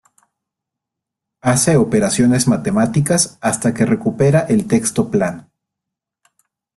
hace operaciones matemáticas hasta que recupera el texto plano.